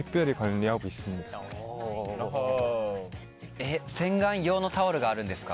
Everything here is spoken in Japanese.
えっ洗顔用のタオルがあるんですか？